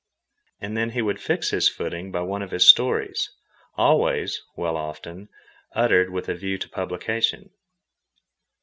And then he would fix his footing by one of his stories, always well, often uttered with a view to publication.